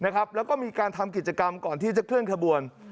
แล้วก็มีการทำกิจกรรมก่อนที่จะเคลื่อนขบวน